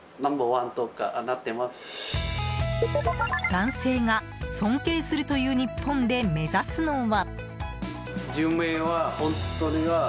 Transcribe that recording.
男性が尊敬するという日本で目指すのは。